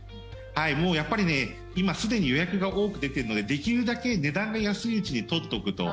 やっぱり今すでに予約が多く出ているのでできるだけ値段が安いうちに取っとくと。